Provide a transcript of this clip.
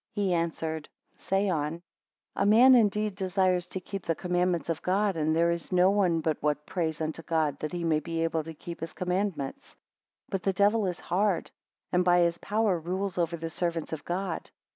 He answered, Say on: A man indeed desires to keep the commandments of God, and there is no one but what prays unto God, that he may be able to keep his commandments; 25 But the devil is hard, and by his power rules over the servants of God.